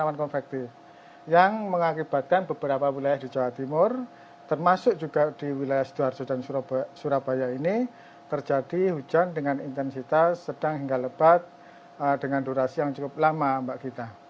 dan konvektif yang mengakibatkan beberapa wilayah di jawa timur termasuk juga di wilayah sidoarso dan surabaya ini terjadi hujan dengan intensitas sedang hingga lebat dengan durasi yang cukup lama pak gita